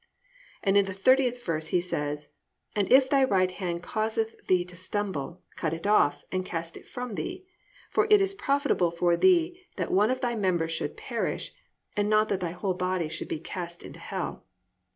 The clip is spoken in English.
"+ And in the 30th verse He says: +"And if thy right hand causeth thee to stumble, cut it off, and cast it from thee; for it is profitable for thee that one of thy members should perish, and not that thy whole body should be cast into hell."